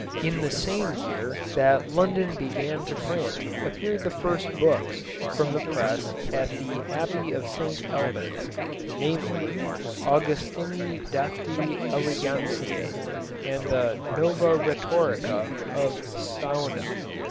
In the same year that London began to print appeared the first books from the press at the Abbey of St Albans, namely, Augustini Dacti elegancie, and the Nova Rhetorica of Saona.